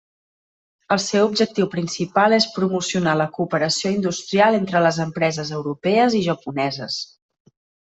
El seu objectiu principal és promocionar la cooperació industrial entre les empreses europees i japoneses.